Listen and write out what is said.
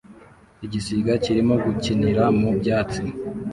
Igisiga kirimo gukinira mu byatsi